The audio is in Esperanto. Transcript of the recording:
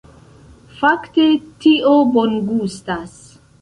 Fakte, tio bongustas